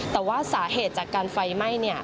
แต่ว่าสาเหตุจากการไฟไหม้